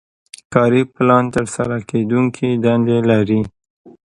کاري پلان ترسره کیدونکې دندې لري.